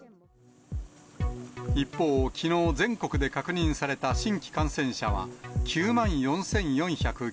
一方、きのう、全国で確認された新規感染者は９万４４９３人。